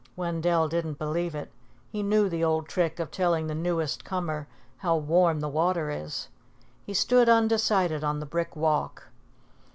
Wendell didn't believe it. He knew the old trick of telling the newest comer how warm the water is. He stood undecided on the brick walk.